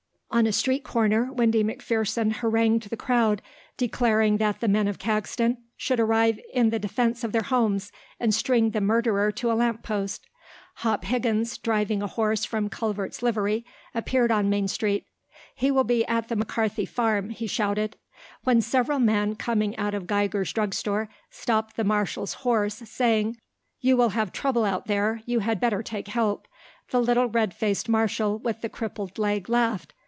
On a street corner Windy McPherson harangued the crowd declaring that the men of Caxton should arise in the defence of their homes and string the murderer to a lamp post. Hop Higgins, driving a horse from Culvert's livery, appeared on Main Street. "He will be at the McCarthy farm," he shouted. When several men, coming out of Geiger's drug store, stopped the marshal's horse, saying, "You will have trouble out there; you had better take help," the little red faced marshal with the crippled leg laughed.